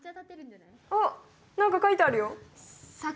あっなんか書いてあるよ。